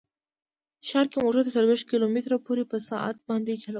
ښار کې موټر تر څلوېښت کیلو متره پورې په ساعت باندې وچلوئ